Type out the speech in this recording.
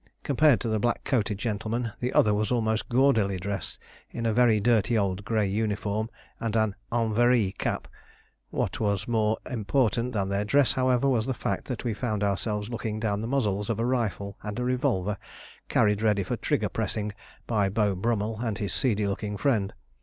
Compared to the black coated gentleman, the other was almost gaudily dressed in a very dirty old grey uniform and "Enveri" cap. What was more important than their dress, however, was the fact that we found ourselves looking down the muzzles of a rifle and revolver carried ready for trigger pressing by Beau Brummell and his seedy looking friend.